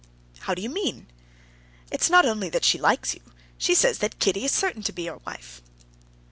"How do you mean?" "It's not only that she likes you—she says that Kitty is certain to be your wife."